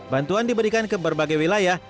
bantuan diberikan ke berbagai wilayah